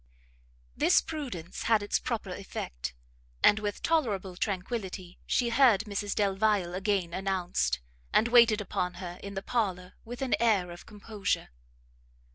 This prudence had its proper effect, and with tolerable tranquility she heard Mrs Delvile again announced, and waited upon her in the parlour with an air of composure.